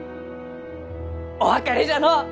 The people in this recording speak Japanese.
お別れじゃのう！